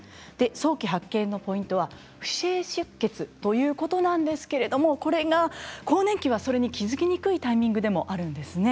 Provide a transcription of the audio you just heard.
早期発見のポイントは不正出血ということなんですけれどこれが更年期はそれに気付きにくいタイミングでもあるんですね。